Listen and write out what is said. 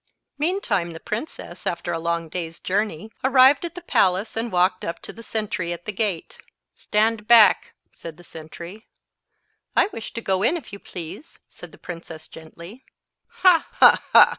Meantime the princess, after a long day's journey, arrived at the palace, and walked up to the sentry at the gate. "Stand back," said the sentry. "I wish to go in, if you please," said the princess gently. "Ha! ha! ha!"